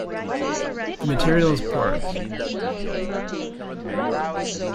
The material is porous.